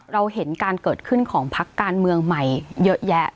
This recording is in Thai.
เราเห็นการเกิดขึ้นของพักการเมืองใหม่เยอะแยะ